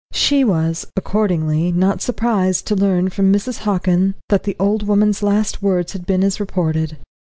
She was, accordingly, not surprised to learn from Mrs. Hockin that the old woman's last words had been as reported.